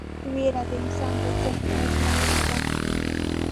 وېره د انسان د ذهن ازموینه ده.